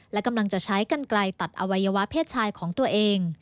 และกำลังจะใช้กันไกลตัดอวัยวะเพศชายของตัวเอง